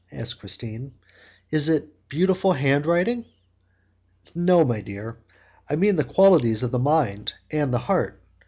asked Christine; "is it a beautiful hand writing?" "No, my dear. I mean the qualities of the mind and the heart.